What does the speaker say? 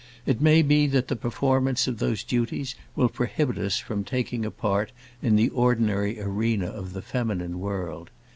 It may be that the performance of those duties will prohibit us from taking a part in the ordinary arena of the feminine world.